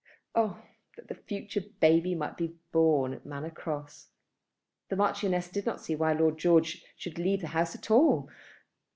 Oh, that the future baby might be born at Manor Cross! The Marchioness did not see why Lord George should leave the house at all.